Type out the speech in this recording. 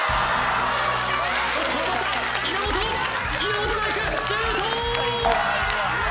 稲本がいくシュート！